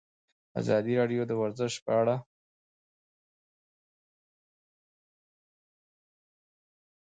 ازادي راډیو د ورزش په اړه د هر اړخیزو مسایلو پوښښ کړی.